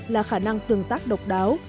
là khả năng tương tác độc đáo